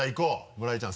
村井ちゃん